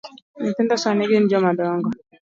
Nyithinda sani gin jomadongo.